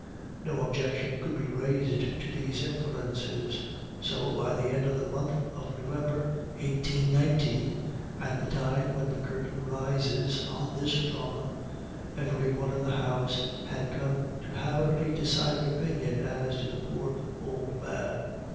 No objection could be raised to these inferences. So by the end of the month of November 1819, at the time when the curtain rises on this drama, every one in the house had come to have a very decided opinion as to the poor old man.